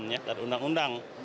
ya taat undang undang